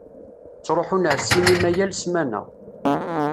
Ttṛuḥun ar ssinima yal ssmana.